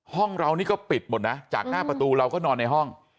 ห้องเรานี่ก็ปิดหมดนะจากหน้าประตูเราก็นอนในห้อง